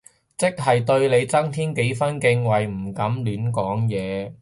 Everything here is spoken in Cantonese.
即刻對你增添幾分敬畏唔敢亂講嘢